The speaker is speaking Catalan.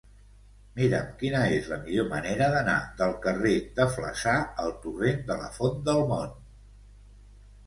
Mira'm quina és la millor manera d'anar del carrer de Flaçà al torrent de la Font del Mont.